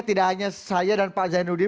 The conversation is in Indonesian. tidak hanya saya dan pak zainuddin